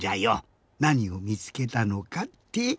なにをみつけたのかって？